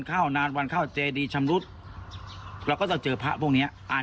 เข้านานวันเข้าเจดีชำรุดเราก็จะเจอพระพวกเนี้ยอ่าน